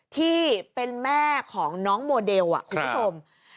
ที่เป็นแม่ของน้องโมเดลคุณผู้ชม